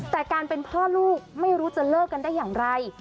แต่การเป็นพ่อลูกไม่รู้จะเลิกกันได้อย่างไร